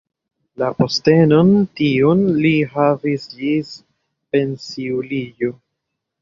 La postenon tiun li havis ĝis pensiuliĝo.